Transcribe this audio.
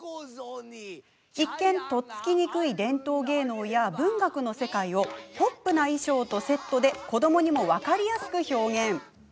一見、とっつきにくい伝統芸能や文学の世界をポップな衣装とセットで子どもにも分かりやすく表現。